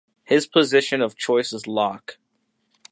His position of choice is Lock.